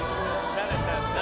慣れたんだ。